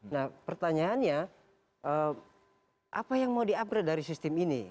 nah pertanyaannya apa yang mau di upgrade dari sistem ini